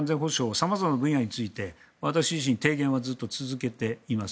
様々な分野について、私自身提言はずっと続けています。